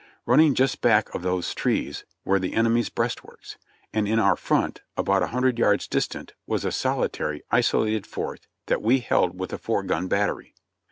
Running just back of those trees were the enemy's breastworks ; and in our front, about a hundred yards distant, was a solitary, isolated fort that we held with a four gun battery.